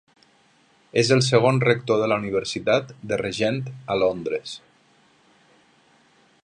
És el segon rector de la Universitat de Regent a Londres.